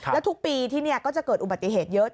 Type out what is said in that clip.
แล้วทุกปีที่นี่ก็จะเกิดอุบัติเหตุเยอะ